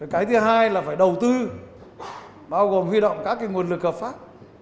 cái thứ hai là phải đầu tư bao gồm huy động các nguồn lực hợp pháp